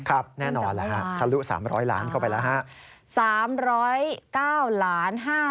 แน่นอนแล้วฮะทะลุ๓๐๐ล้านเข้าไปแล้วฮะ